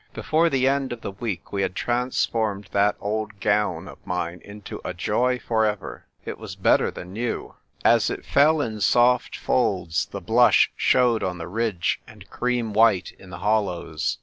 Before the end of the week we had transformed that old gown of mine into a joy for ever. It was better than new ; as it fell in soft folds the blush showed on the ridge and cream white in the hollows.